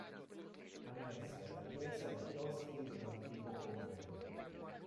Annessi alla chiesa i chiostri dell'antico convento.